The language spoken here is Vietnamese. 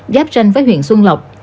giáp ranh với huyện xuân lộc